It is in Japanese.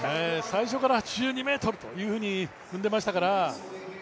最初から８２ｍというふうに踏んでましたから。